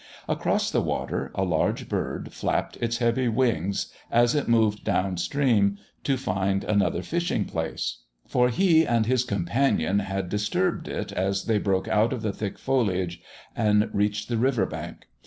Across the water a large bird, flapped its heavy wings, as it moved down stream to find another fishing place. For he and his companion had disturbed it as they broke out of the thick foliage and reached the river bank.